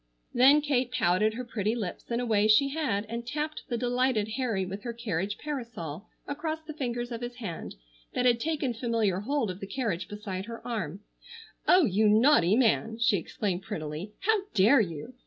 Then Kate pouted her pretty lips in a way she had and tapped the delighted Harry with her carriage parasol across the fingers of his hand that had taken familiar hold of the carriage beside her arm. "Oh, you naughty man!" she exclaimed prettily. "How dare you!